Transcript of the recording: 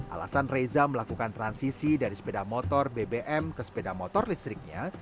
alasan reza melakukan transisi dari sepeda motor bbm ke sepeda motor listriknya